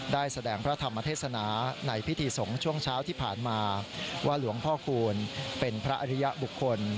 ได้แสดงพระธรรมเทศนาในพิธีสงฆ์ช่วงเช้าที่ผ่านมาว่าหลวงพ่อคูณเป็นพระอริยบุคคล